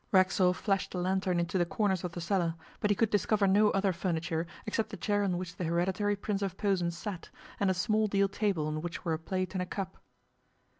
Racksole flashed the lantern into the corners of the cellar, but he could discover no other furniture except the chair on which the Hereditary Prince of Posen sat and a small deal table on which were a plate and a cup.